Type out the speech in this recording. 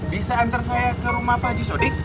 bisa antar saya ke rumah pak haji sodik